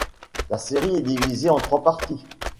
La série est divisée en trois parties.